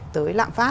tới lạm phát